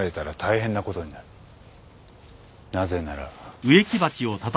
なぜなら。